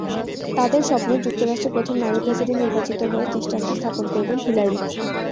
তাঁদের স্বপ্ন, যুক্তরাষ্ট্রের প্রথম নারী প্রেসিডেন্ট নির্বাচিত হয়ে দৃষ্টান্ত স্থাপন করবেন হিলারি।